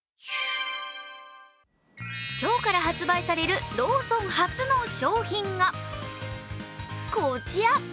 今日から発売されるローソン初の商品がこちら。